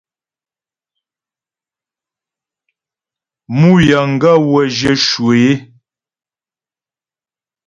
Mǔ yəŋgaə́ wə́ zhyə̂ shwə é.